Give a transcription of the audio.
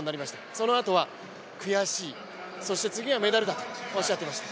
そのあとは悔しい、そして次はメダルだとおっしゃっていました。